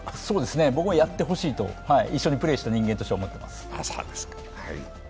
僕もやってほしいと、一緒にプレーした人間としては思っています。